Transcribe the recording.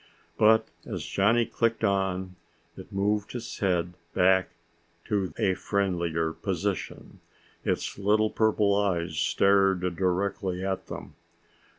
But as Johnny clicked on, it moved its head back to a friendlier position. Its little purple eyes stared directly at them.